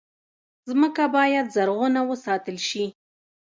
مځکه باید زرغونه وساتل شي.